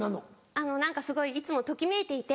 あの何かすごいいつもときめいていて。